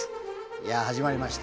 いやあ始まりました。